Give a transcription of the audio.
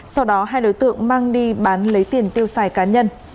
sau đó hai đối tượng mang đi bán lấy tiền tiêu xài cá nhân